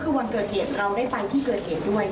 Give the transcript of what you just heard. คือวันเกิดเหตุเราได้ไปที่เกิดเหตุด้วย